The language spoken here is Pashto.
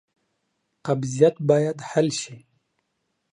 قبضیت باید حل شي.